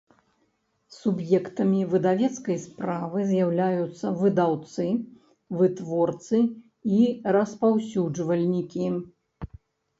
Суб’ектамi выдавецкай справы з’яўляюцца выдаўцы, вытворцы i распаўсюджвальнiкi.